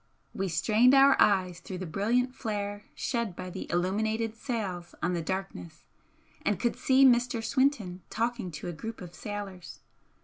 We strained our eyes through the brilliant flare shed by the illuminated sails on the darkness and could see Mr. Swinton talking to a group of sailors.